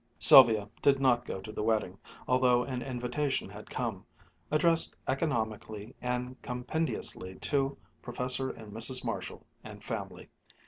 Sylvia did not go to the wedding, although an invitation had come, addressed economically and compendiously to "Professor and Mrs. Marshall and family."